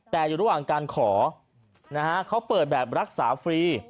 แต่อยู่ระหว่างการขอนะฮะเขาเปิดแบบรักษาฟรี